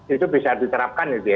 itu bisa diterapkan gitu ya